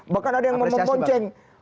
bahkan ada yang mau memonceng